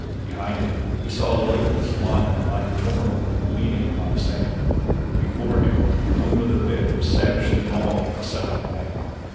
Behind him he saw a lifeless lion lying torn and bleeding upon the sand, and before him Numa of the pit was savagely mauling the second lion.